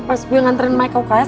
pas gue nganterin mike ke uks